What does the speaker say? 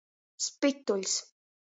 Spytuļs.